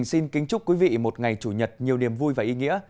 xin kính chúc quý vị một ngày chủ nhật nhiều niềm vui và ý nghĩa